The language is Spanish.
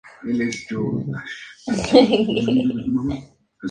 Hizo una redención en esta última ciudad.